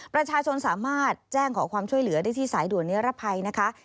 ประชาชนสามารถแจ้งขอความช่วยเหลือได้ที่สายด่วนนิรภัยนะคะ